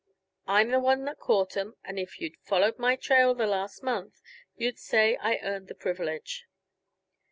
I'm the one that caught 'em, and if you'd followed my trail the last month you'd say I earned the privilege."